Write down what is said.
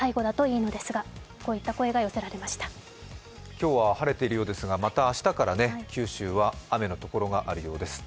今日は晴れているようですがまた明日から九州は雨のところがあるようです。